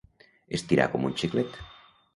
Estirar com un xiclet.